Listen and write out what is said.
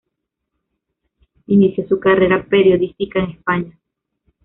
Inició su carrera periodística en España.